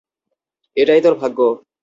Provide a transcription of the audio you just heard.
এটাই তোর ভাগ্য!